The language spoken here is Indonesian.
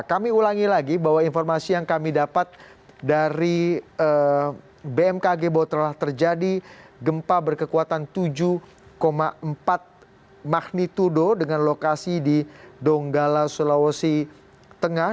kami ulangi lagi bahwa informasi yang kami dapat dari bmkg bahwa telah terjadi gempa berkekuatan tujuh empat magnitudo dengan lokasi di donggala sulawesi tengah